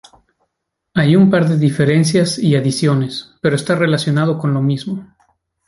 Ahí un par de diferencias y adiciones, pero está relacionado con lo mismo.